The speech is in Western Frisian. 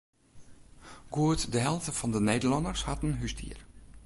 Goed de helte fan de Nederlanners hat in húsdier.